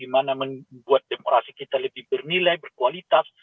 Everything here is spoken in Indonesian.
bagaimana membuat demokrasi kita lebih bernilai berkualitas